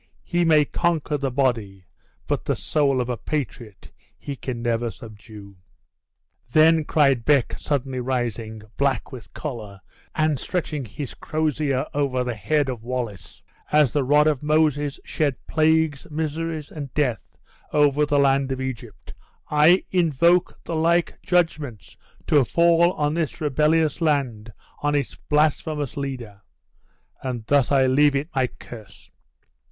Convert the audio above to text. He may conquer the body, but the soul of a patriot he can never subdue." "Then," cried Beck, suddenly rising, black with choler, and stretching his crosier over the head of Wallace, "as the rod of Moses shed plagues, miseries, and death over the land of Egypt, I invoke the like judgments to fall on this rebellious land, on its blasphemous leader! And thus I leave it my curse."